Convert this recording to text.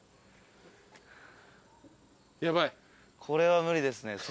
これは無理ですね。